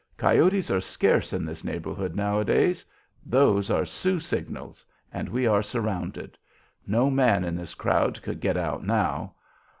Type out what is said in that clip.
"Coyotes are scarce in this neighborhood nowadays. Those are Sioux signals, and we are surrounded. No man in this crowd could get out now.